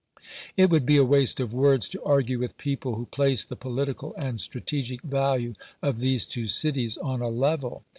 It would be a waste of words to argue with people who place the political and stra tegic value of these two cities on a level.